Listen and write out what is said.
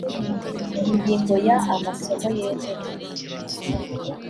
ingingo ya amasomo yemerewe